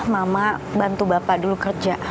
mama bantu bapak dulu kerja